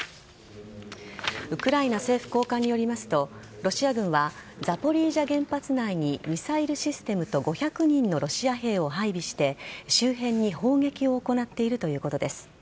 ウクライナ政府高官によりますとロシア軍はザポリージャ原発内にミサイルシステムと５００人のロシア兵を配備して周辺に砲撃を行っているということです。